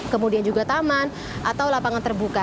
kemudian juga taman atau lapangan terbuka